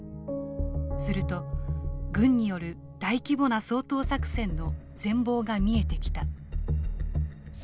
すると軍による大規模な掃討作戦の全貌が見えてきた。